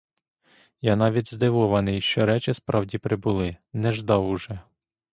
Я навіть здивований, що речі справді прибули, — не ждав уже.